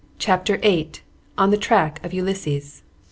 CHAPTER VIII. ON THE TRACK OF ULYSSES.